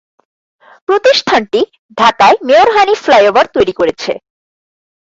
প্রতিষ্ঠানটি ঢাকায় mayor Hanif flyover তৈরি করেছে।